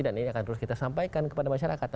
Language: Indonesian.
dan ini yang akan terus kita sampaikan kepada masyarakat